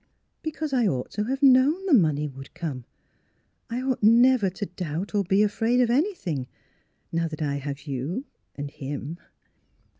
" Because I ought to have known the money would come. ... I ought never to doubt or be afraid of anything, now that I have you and him."